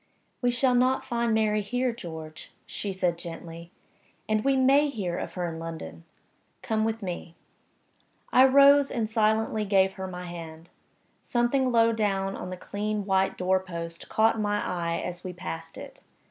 "We shall not find Mary here, George," she said, gently. "And we may hear of her in London. Come with me." I rose and silently gave her my hand. Something low down on the clean white door post caught my eye as we passed it.